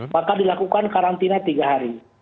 maka dilakukan karantina tiga hari